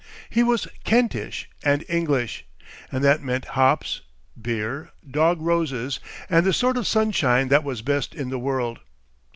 He was Kentish and English, and that meant hops, beer, dog rose's, and the sort of sunshine that was best in the world.